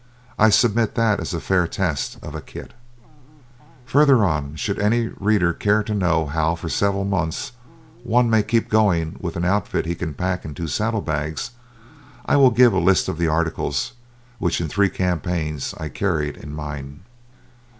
I submit that as a fair test of a kit. Further on, should any reader care to know how for several months one may keep going with an outfit he can pack in two saddle bags, I will give a list of the articles which in three campaigns I carried in mine.